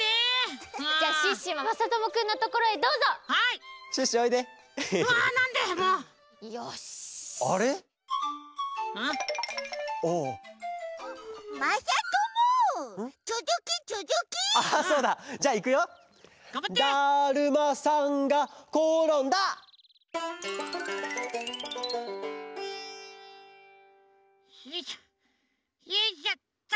よいしょよいしょっと！